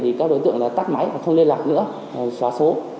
thì các đối tượng là tắt máy và không liên lạc nữa xóa số